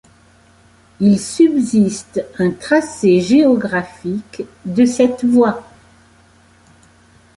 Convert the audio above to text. Il subsiste un tracé géographique de cette voie.